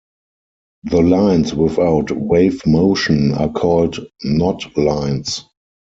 The lines without wave motion are called knot-lines.